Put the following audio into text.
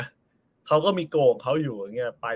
อยู่นะเขาก็มีกวลเขาอยู่อยู่อย่างเนี่ยปลาย